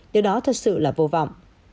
điều đó thật sự là vô vọng